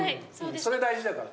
それ大事だから。